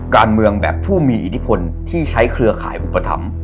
การเมืองแบบผู้มีอิทธิพลที่ใช้เครือข่ายอุปถัมภ์